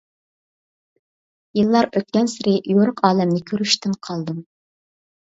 يىللار ئۆتكەنسېرى يورۇق ئالەمنى كۆرۈشتىن قالدىم.